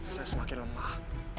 saya semakin lemah